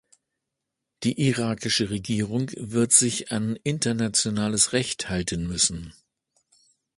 Die irakische Regierung wird sich an internationales Recht halten müssen.